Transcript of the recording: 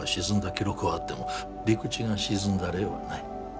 記録はあっても陸地が沈んだ例はない